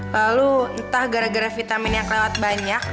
lalu entah gara gara vitamin yang lewat banyak